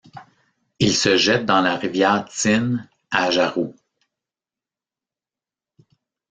Il se jette dans la rivière Tyne à Jarrow.